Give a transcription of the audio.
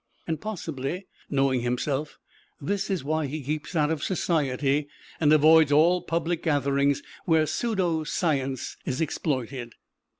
And possibly, knowing himself, this is why he keeps out of society, and avoids all public gatherings where pseudo science is exploited.